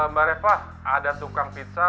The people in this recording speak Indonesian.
mbak reva ada tukang pizza